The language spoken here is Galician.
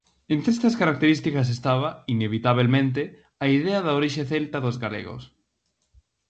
Entre estas características estaba, inevitabelmente, a idea da orixe celta dos galegos.